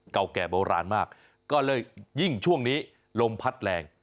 เก่าแก่โบราณมากก็เลยยิ่งช่วงนี้ลมพัดแรง